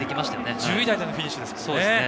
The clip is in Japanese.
１０位台でのフィニッシュです。